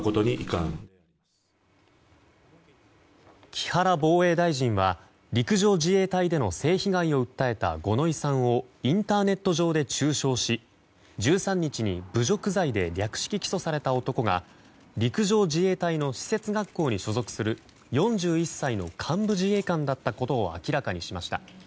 木原防衛大臣は陸上自衛隊での性被害を訴えた五ノ井さんをインターネット上で中傷し１３日に侮辱罪で略式起訴された男が陸上自衛隊の施設学校に所属する４１歳の幹部自衛官だったことを明らかにしました。